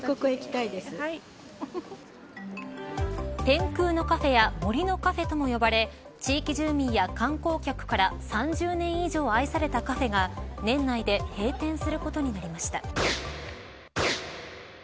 天空のカフェや森のカフェとも呼ばれ地域住民や観光客から３０年以上愛されたカフェが年内で閉店することになりました。